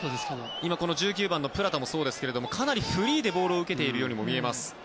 １９番のプラタもそうですがかなりフリーでボールを受けているように見えます。